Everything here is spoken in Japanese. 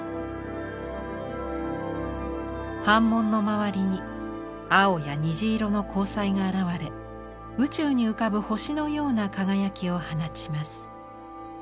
斑紋の周りに青や虹色の光彩が現れ宇宙に浮かぶ星のような輝きを放ちます。